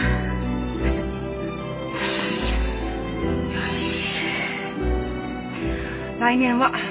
よし。